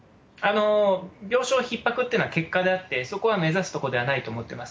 病床ひっ迫っていうのは結果であって、そこは目指すところではないと思っています。